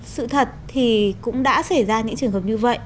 sự thật thì cũng đã xảy ra những trường hợp như vậy